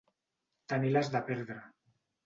Tenir les de perdre.